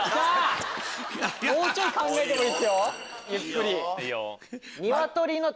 もうちょい考えてもいいっすよゆっくり。